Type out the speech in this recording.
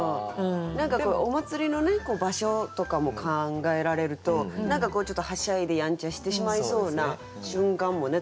何かお祭りの場所とかも考えられるとちょっとはしゃいでやんちゃしてしまいそうな瞬間もね